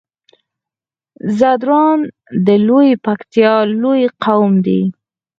ځدراڼ د لويې پکتيا لوی قوم دی